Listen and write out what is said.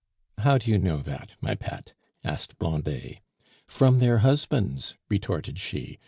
"How do you know that, my pet?" asked Blondet. "From their husbands," retorted she.